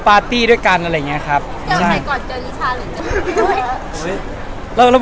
พี่เห็นไอ้เทรดเลิศเราทำไมวะไม่ลืมแล้ว